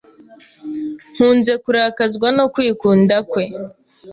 Nkunze kurakazwa no kwikunda kwe.